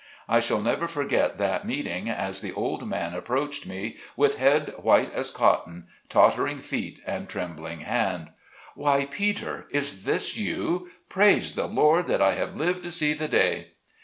I shall never forget that meeting, as the old man approached me with head white as cotton, tottering feet and trembling hand. " Why, Peter ! is this you ? Praise the Lord that I have lived to see the day."